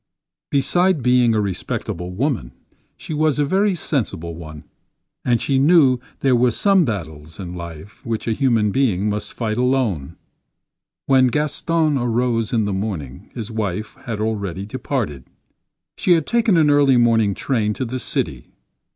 Beside being a respectable woman she was a very sensible one; and she knew there are some battles in life which a human being must fight alone. When Gaston arose in the morning, his wife had already departed. She had taken an early morning train to the city.